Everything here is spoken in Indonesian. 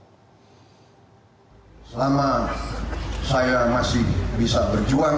selama saya masih bisa berjuang